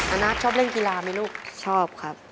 อานัทชอบเล่นกีฬาไหมลูกชอบครับ